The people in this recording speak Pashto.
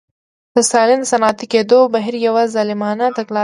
د ستالین د صنعتي کېدو بهیر یوه ظالمانه تګلاره وه